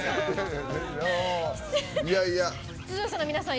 出場者の皆さん